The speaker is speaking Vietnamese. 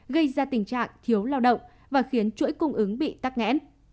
gây ra tình trạng thiếu lao động và khiến chuỗi cung ứng bị tắc nghẽn